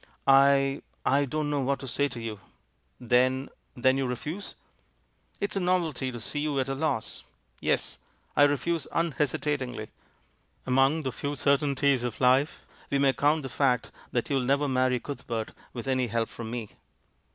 "I — I don't know what to say to you. Then — then you refuse?" "It's a novelty to see you at a loss. Yes, I refuse unhesitatingly. Among the few certain ties of life we may count the fact that you'll never marry Cuthbert with any help from me."